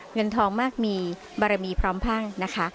เงินทองมากมีบารมีพร้อมพังนะคะ